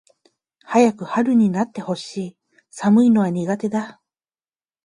早く春になって欲しい。寒いのは苦手だ。